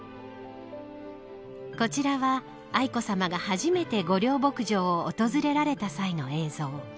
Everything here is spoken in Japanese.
こちらは、愛子さまが初めて御料牧場を訪れられた際の映像。